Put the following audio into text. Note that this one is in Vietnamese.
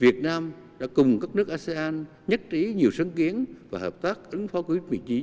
việt nam đã cùng các nước asean nhất trí nhiều sân kiến và hợp tác ứng phó covid một mươi chín